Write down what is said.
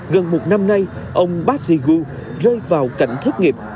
gần một năm nay ông park ji gu rơi vào cảnh thất nghiệp